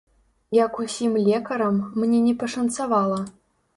Як усім лекарам, мне не пашанцавала.